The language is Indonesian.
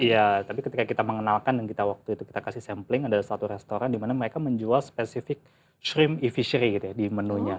iya tapi ketika kita mengenalkan dan kita waktu itu kita kasih sampling ada satu restoran dimana mereka menjual spesifik shream e fishery gitu ya di menunya